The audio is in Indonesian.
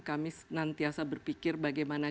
kami nantiasa berpikir bagaimana